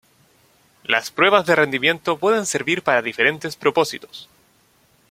Las pruebas de rendimiento pueden servir para diferentes propósitos.